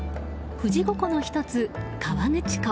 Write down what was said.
富士五湖の１つ、河口湖。